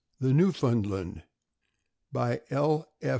THE NEWFOUNDLAND. BY L.